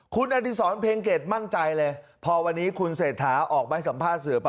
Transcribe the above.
คุณอดิสรเพียงเกรดมั่นใจเลยพอวันนี้คุณเศรษฐาออกไปสัมภาษณ์เสริม